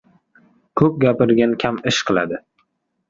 • Ko‘p gapirgan kam ish qiladi.